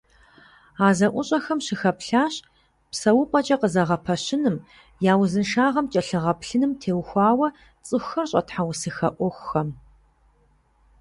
А зэӀущӀэхэм щыхэплъащ псэупӀэкӀэ къызэгъэпэщыным, я узыншагъэм кӀэлъагъэплъыным теухуауэ цӀыхухэр щӀэтхьэусыхэ Ӏуэхухэм.